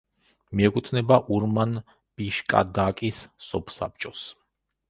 მიეკუთვნება ურმან-ბიშკადაკის სოფსაბჭოს.